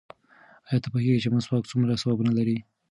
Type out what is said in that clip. ایا ته پوهېږې چې مسواک څومره ثوابونه لري؟